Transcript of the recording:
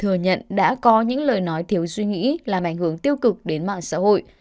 thừa nhận đã có những lời nói thiếu suy nghĩ làm ảnh hưởng tiêu cực đến mạng xã hội